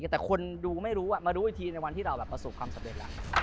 แต่คนดูไม่รู้มารู้อีกทีในวันที่เราประสบความสำเร็จแล้ว